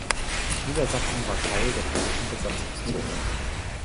Niedersachsen war Teil der britischen Besatzungszone.